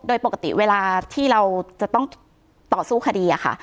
โดยปกติเวลาที่เราจะต้องต่อสู้คดีอะค่ะ